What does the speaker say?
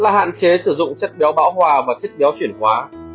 là hạn chế sử dụng chất béo bão hòa và sức béo chuyển hóa